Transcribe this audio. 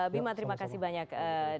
bima terima kasih banyak